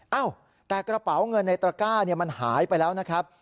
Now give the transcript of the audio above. เอ้าแต่กระเป๋าเงินในตระก้ามันหายไปแล้วนะครับ